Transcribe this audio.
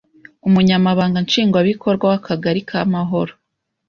Umunyamabanga Nshingabikorwa w’Akagari k’ Amahoro